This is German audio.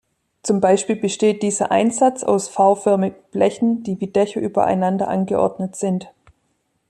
Zum Beispiel besteht dieser Einsatz aus V-förmigen Blechen, die wie Dächer übereinander angeordnet sind.